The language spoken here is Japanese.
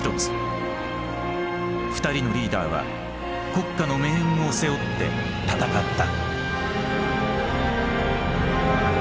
２人のリーダーは国家の命運を背負って戦った。